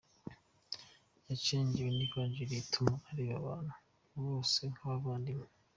Yacengewe n’ivanjiri ituma areba abantu bose nk’abavandimwe.